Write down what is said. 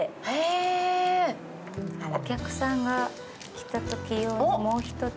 お客さんが来たとき用にもう一つ。